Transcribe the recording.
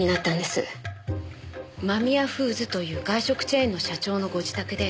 間宮フーズという外食チェーンの社長のご自宅で。